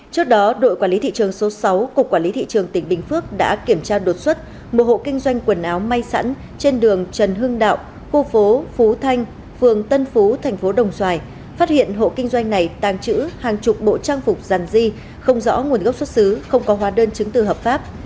trước đó đội quản lý thị trường số sáu cục quản lý thị trường tỉnh bình phước đã kiểm tra đột xuất một hộ kinh doanh quần áo may sẵn trên đường trần hưng đạo khu phố phú thanh phường tân phú thành phố đồng xoài phát hiện hộ kinh doanh này tàng trữ hàng chục bộ trang phục giàn di không rõ nguồn gốc xuất xứ không có hóa đơn chứng từ hợp pháp